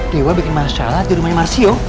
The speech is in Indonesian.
dewa bikin masalah di rumahnya marsio